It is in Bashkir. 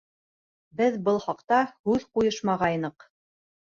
Беҙ был хаҡта һүҙ ҡуйышмағайныҡ.